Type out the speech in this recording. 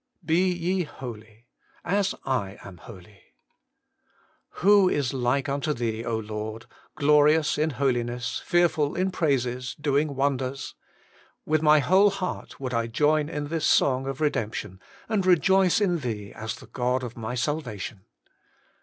' BE YE HOLY, AS I AM HOLY. 62 HOLY IN CHRIST. ' Who is like unto Thee, O Lord ! glorious in holiness, fearful in praises, doing wonders ?' With my whole heart would I join in this song of redemption, and rejoice in Thee as the God of my salvation.